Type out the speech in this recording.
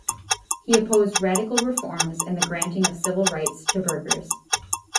He opposed radical reforms and the granting of civil rights to burghers.